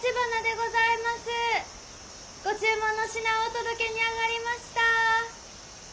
ご注文の品をお届けにあがりました。